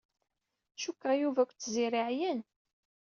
Cukkeɣ Yuba akked Tiziri ɛyan.